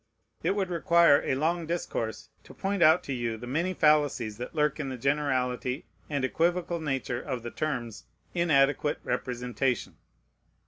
It would require a long discourse to point out to you the many fallacies that lurk in the generality and equivocal nature of the terms "inadequate representation."